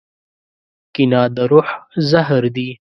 کینه د روح زهر دي.